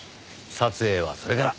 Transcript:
撮影はそれから。